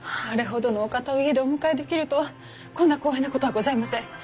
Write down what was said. あれほどのお方を家でお迎えできるとはこんな光栄なことはございません。